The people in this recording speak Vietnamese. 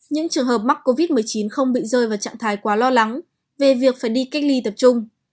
những trường hợp mắc covid một mươi chín không bị rơi vào trạng thái quá lo lắng về việc phải đi cách ly tập trung